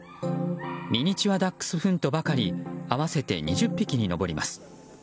ミニチュアダックスフントばかり合わせて２０匹に上ります。